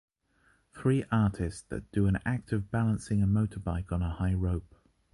Three artists that do an act of balancing a motorbike on a high rope.